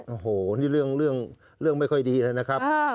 โอ้โหนี่เรื่องเรื่องเรื่องไม่ค่อยดีเลยนะครับ